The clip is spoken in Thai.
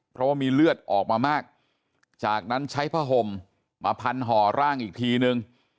เพราะว่ามีเลือดออกมามากจากนั้นใช้ผ้าห่มมาพันห่อร่างอีกทีนึง